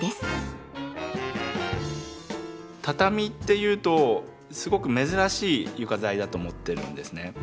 畳っていうとすごく珍しい床材だと思ってるんですね。